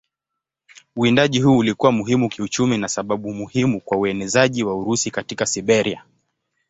Uwindaji huu ulikuwa muhimu kiuchumi na sababu muhimu kwa uenezaji wa Urusi katika Siberia.